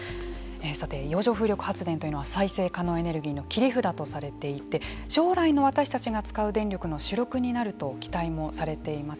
さて洋上風力発電というのは再生可能エネルギーの切り札とされていて将来の私たちが使う電力の主力になると期待もされています。